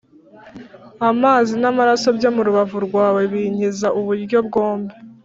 Amazi n’amaraso byo murubavu rwawe binkiza uburyo bwombi